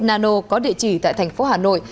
nano có địa chỉ tại thành phố hà nội